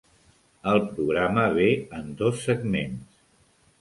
El programa ve en dos segments.